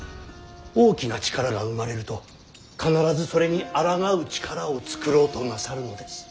大きな力が生まれると必ずそれにあらがう力を作ろうとなさるのです。